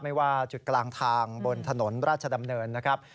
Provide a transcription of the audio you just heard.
ไม่ว่าจุดกลางทางบนถนนราชดำเนินนะครับ